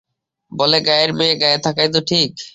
বলে গায়ের মেয়ে গায়ে থাকাই তো ঠিক।